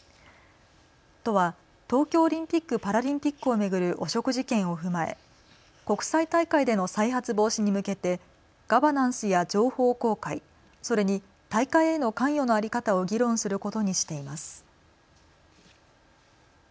都は東京オリンピック・パラリンピックを巡る汚職事件を踏まえ国際大会での再発防止に向けてガバナンスや情報公開、それに大会への関与の在り方を議論することにしています。